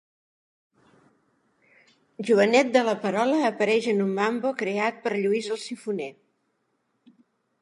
Joanet de la Perola apareix en un mambo creat per Lluís el Sifoner.